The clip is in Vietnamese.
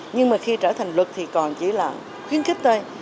nhưng mà khi trở thành luật thì còn chỉ là khuyến khích thôi